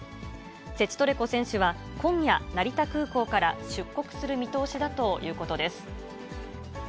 セチトレコ選手は今夜、成田空港から出国する見通しだということです。